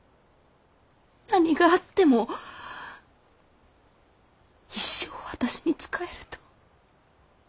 何があっても一生私に仕えると。